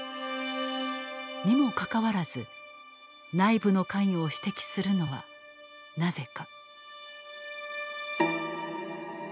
にもかかわらず内部の関与を指摘するのはなぜか？